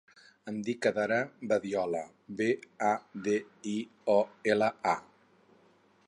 Em dic Adara Badiola: be, a, de, i, o, ela, a.